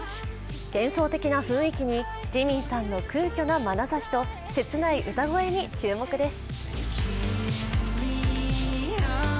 幻想的な雰囲気にＪＩＭＩＮさんの空虚なまなざしと、切ない歌声に注目です。